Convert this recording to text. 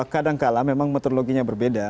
kadang kadang memang metodologinya berbeda